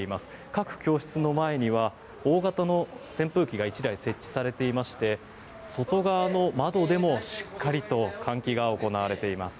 各教室の前には大型の扇風機が１台設置されていまして外側の窓でも、しっかりと換気が行われています。